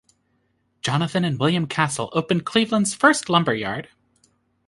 Jonathan and William Castle opened Cleveland's first lumberyard.